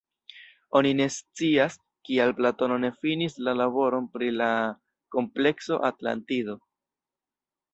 Oni ne scias, kial Platono ne finis la laboron pri la komplekso Atlantido.